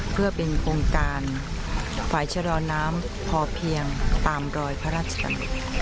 เพื่อเป็นโครงการฝ่ายชะลอน้ำพอเพียงตามรอยพระราชกำหนด